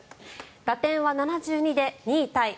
打点は７２で２位タイ。